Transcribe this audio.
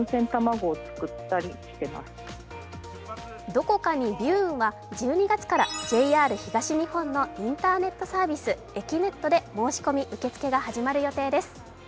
「どこかにビューーン！」は１２月からＪＲ東日本のインターネットサービス、えきねっとで申込、受付が始まる予定です。